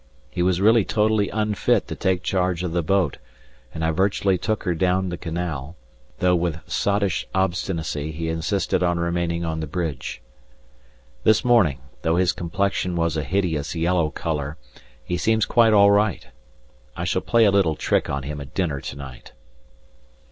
He was really totally unfit to take charge of the boat, and I virtually took her down the canal, though with sottish obstinacy he insisted on remaining on the bridge. This morning, though his complexion was a hideous yellow colour, he seems quite all right. I shall play a little trick on him at dinner to night.